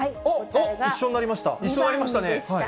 一緒になりましたね。